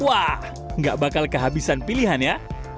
wah gak bakal kehabisan pilihan ya